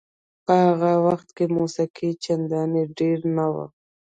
په هغه وخت کې موسیقي چندانې ډېره نه وه.